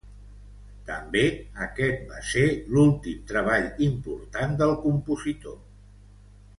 També aquest va ser l'últim treball important del compositor.